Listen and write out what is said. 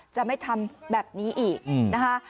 จะไม่ทำแบบนี้อีกนะคะ